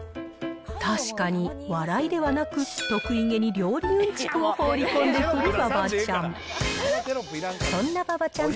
確かに笑いではなく、得意げに料理うんちくを放り込んでくる馬場ちゃん。